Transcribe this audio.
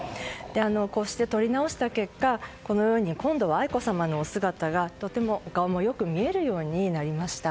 こうして撮り直した結果今度は愛子さまのお姿がとても、お顔もよく見えるようになりました。